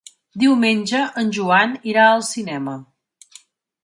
Diumenge en Joan irà al cinema.